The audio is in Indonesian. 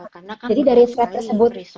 jadi dari thread tersebut